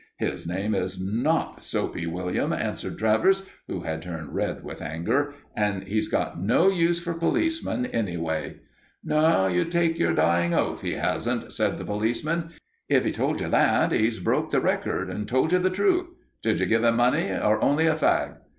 "His name is not Soapy William," answered Travers, who had turned red with anger, "and he's got no use for policemen, anyway." "No, you take your dying oath he hasn't," said the policeman. "If he told you that, he's broke the record and told you the truth. Did you give him money, or only a fag?